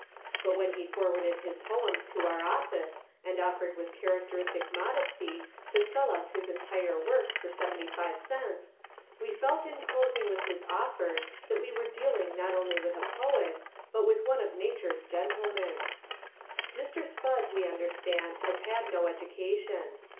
But when he forwarded his poems to our office and offered with characteristic modesty to sell us his entire works for seventy five cents, we felt in closing with his offer that we were dealing not only with a poet, but with one of nature's gentlemen. Mr. Spudd, we understand, has had no education.